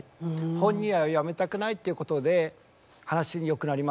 本人はやめたくないっていうことで話によくなります。